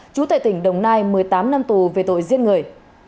chú tại tỉnh đồng nai một mươi tám năm tù về tội giết người